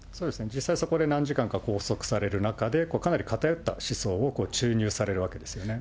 実際そこで何時間か拘束される中で、かなり偏った思想を注入されるわけですよね。